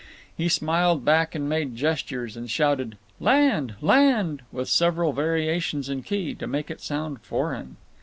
He smiled back and made gestures, and shouted "Land! Land!" with several variations in key, to make it sound foreign.